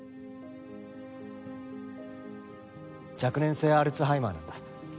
若年性アルツハイマーなんだ。